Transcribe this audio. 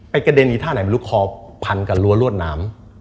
กระเด็นอีกท่าไหนไม่รู้คอพันกับรั้วรวดหนาม